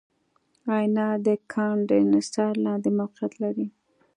آئینه د کاندنسر لاندې موقعیت لري.